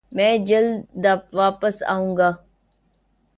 میں جلدی داپس آجاؤنگا ۔